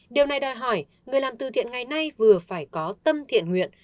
điều này đòi hỏi người làm từ thiện ngày nay vừa phải có tâm thiện nguyện